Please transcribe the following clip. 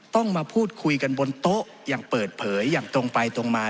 ต้องมาพูดคุยกันบนโต๊ะอย่างเปิดเผยอย่างตรงไปตรงมา